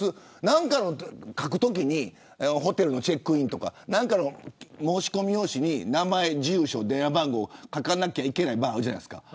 何か書くときにホテルのチェックインとか申し込み用紙に名前、住所電話番号書かなきゃいけない場合あるじゃないですか。